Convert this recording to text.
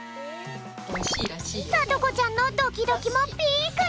さとこちゃんのドキドキもピークに！